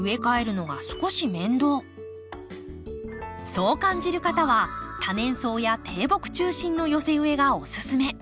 そう感じる方は多年草や低木中心の寄せ植えがおすすめ。